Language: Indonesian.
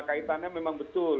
kaitannya memang betul